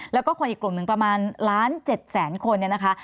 แล้วก็คนอีกกลุ่มหนึ่งประมาณล้าน๗แสนคนเนี่ยนะคะ